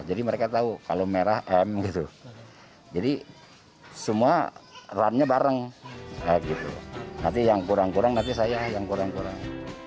jadi mereka tahu kalau merah m gitu jadi semua runnya bareng nanti yang kurang kurang nanti saya yang kurang kurang